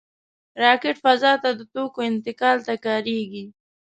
راکټ فضا ته د توکو انتقال ته کارېږي